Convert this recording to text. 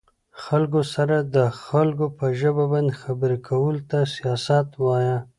خلکو سره د خلکو په ژبه باندې خبرې کولو ته سياست وايه